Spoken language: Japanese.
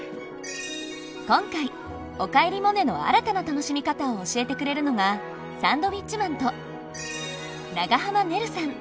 今回「おかえりモネ」の新たな楽しみ方を教えてくれるのがサンドウィッチマンと長濱ねるさん。